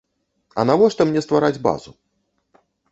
А навошта мне ствараць базу?